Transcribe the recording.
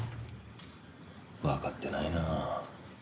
わかってないなあ。